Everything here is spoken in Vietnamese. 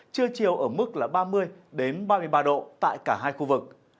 trưa chiều ở mức là ba mươi ba mươi ba độ tại cả hai khu vực